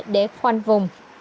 để khoanh vùng